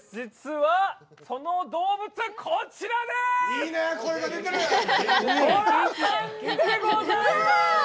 実は、その動物こちらです！